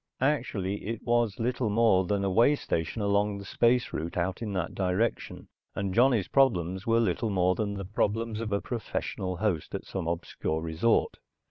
Actually it was little more than a way station along the space route out in that direction, and Johnny's problems were little more than the problems of a professional host at some obscure resort.